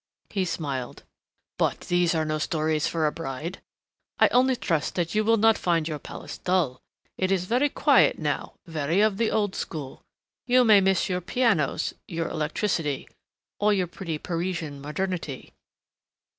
He smiled. "But these are no stories for a bride! I only trust that you will not find your palace dull. It is very quiet now, very much of the old school. You may miss your pianos, your electricity, all your pretty Parisian modernity."